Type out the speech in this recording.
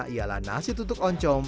ialah nasi tutuk oncom